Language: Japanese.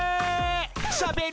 「しゃべる